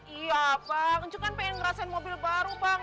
iya bang encon kan pengen ngerasain mobil baru bang